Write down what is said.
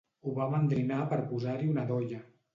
Ho va mandrinar per posar-hi una dolla